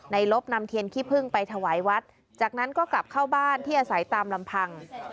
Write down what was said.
ลบนำเทียนขี้พึ่งไปถวายวัดจากนั้นก็กลับเข้าบ้านที่อาศัยตามลำพัง